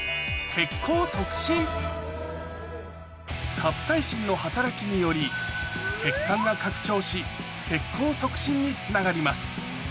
カプサイシンの働きにより血管が拡張しにつながります